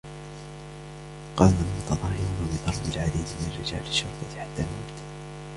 قام المتظاهرون بضرب العديد من رجال الشرطة حتى الموت.